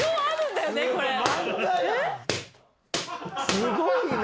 すごいな！